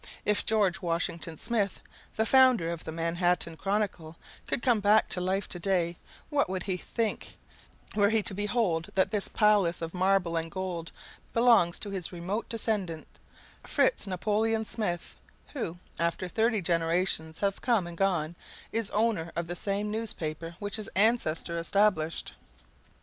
If George Washington Smith, the founder of the Manhattan "Chronicle," should come back to life to day, what would he think were he to be told that this palace of marble and gold belongs to his remote descendant, Fritz Napoleon Smith, who, after thirty generations have come and gone, is owner of the same newspaper which his ancestor established!